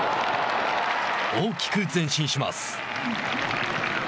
大きく前進します。